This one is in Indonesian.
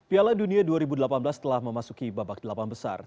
piala dunia dua ribu delapan belas telah memasuki babak delapan besar